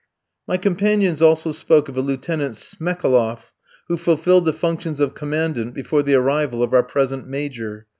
My companions also spoke of a Lieutenant Smekaloff, who fulfilled the functions of Commandant before the arrival of our present Major.